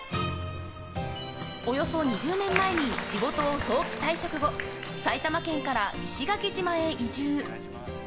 およそ２０年前に仕事を早期退職後埼玉県から石垣島へ移住。